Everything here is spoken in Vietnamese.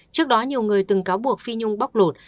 trước đó nhiều người từng cáo buộc phi nhung bóc lột